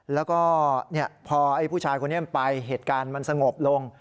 แล้วก็พอไอ้ผู้ชายคนนี้มันไปเหตุการณ์มันสงบลง